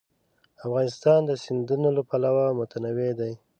افغانستان د سیندونه له پلوه متنوع دی.